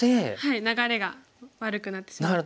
流れが悪くなってしまって。